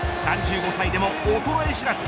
３５歳でも衰え知らず。